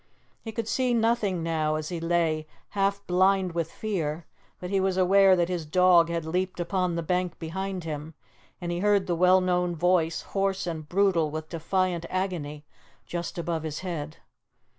He could see nothing now, as he lay half blind with fear, but he was aware that his dog had leaped upon the bank behind him, and he heard the well known voice, hoarse and brutal with defiant agony, just above his head.